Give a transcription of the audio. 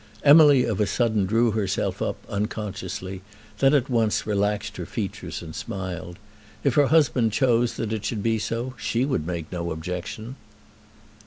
Emily of a sudden drew herself up, unconsciously, and then at once relaxed her features and smiled. If her husband chose that it should be so, she would make no objection.